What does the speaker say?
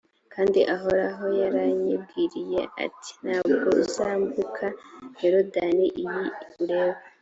kandi uhoraho yaranyibwiriye ati 'nta bwo uzambuka yorudani iyi ureba!’